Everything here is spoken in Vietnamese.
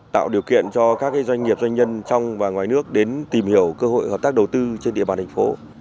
tạo điều kiện cho các doanh nghiệp doanh nhân trong và ngoài nước đến tìm hiểu cơ hội hợp tác đầu tư trên địa bàn thành phố